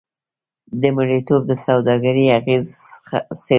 د مریتوب د سوداګرۍ اغېزې څېړلې دي.